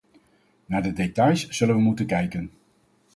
Naar de details zullen we moeten kijken.